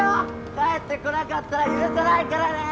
帰ってこなかったら許さないからね！